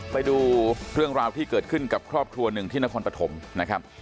ไปดูเรื่องราวที่เกิดขึ้นกับครอบครัวหนึ่งที่นครปฐมนะครับ